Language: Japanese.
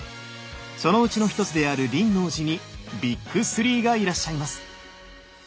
そのうちの一つである輪王寺にビッグ３がいらっしゃいます！